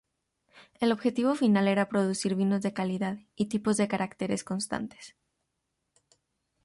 El objetivo final era producir vinos de calidad y tipos de caracteres constantes.